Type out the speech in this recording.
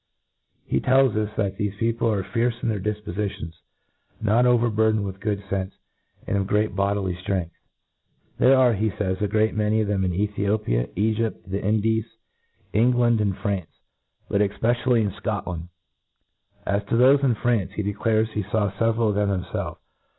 He tells us, that thefe peo ple are fierce in their difpofitions, not overbur dened with good fenfe, and of great bodily ftrcngth. There are, he fays, a great many of them in Ethiopia, Egypt, the Indies, England, France, but efpecialJy in Scotland ;— as to thofe in France, he declares lie faw feveral of thenx himfelf.